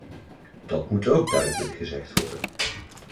Dat moet ook duidelijk gezegd worden.